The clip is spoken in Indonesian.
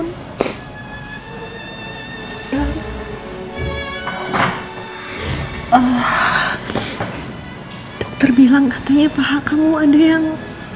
hai hai hai ah dokter bilang katanya paha kamu ada yang